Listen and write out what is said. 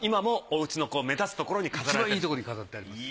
いちばんいいところに飾ってあります。